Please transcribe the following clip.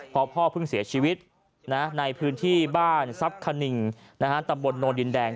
พอพ่อเพิ่งเสียชีวิตในพื้นที่บ้านทรัพย์คณิงตำบลโนนดินแดง